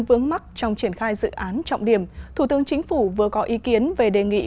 vướng mắt trong triển khai dự án trọng điểm thủ tướng chính phủ vừa có ý kiến về đề nghị